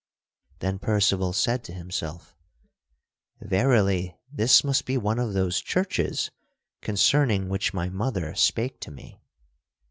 Then Percival said to himself: "Verily, this must be one of those churches concerning which my mother spake to me."